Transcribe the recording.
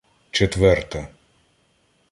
Четверта